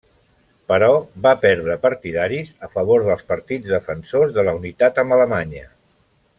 Però va perdre partidaris a favor dels partits defensors de la unitat amb Alemanya.